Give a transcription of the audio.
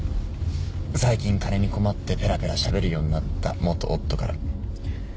最近金に困ってペラペラしゃべるようになった元夫から。